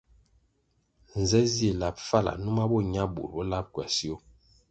Nze zih lab fala numa bo ña bur bo lab kwasio ?